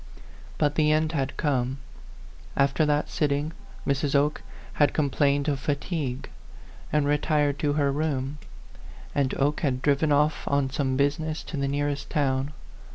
But the end had come. After that sitting Mrs. Oke had complained of fatigue, and re 9 130 A PHANTOM LOVER. tired to her room; and Oke had driven off on some business to the nearest town.